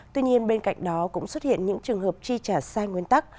tuy nhiên bên cạnh đó cũng xuất hiện những trường hợp chi trả sai nguyên tắc